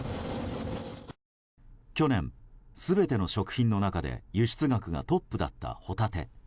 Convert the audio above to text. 去年、全ての食品の中で輸出額がトップだったホタテ。